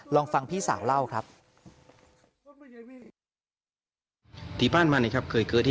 ลองฟังพี่สาวเล่าครับ